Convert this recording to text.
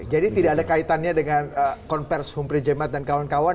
jadi tidak ada kaitannya dengan konversi humphrey jemat dan kawan kawan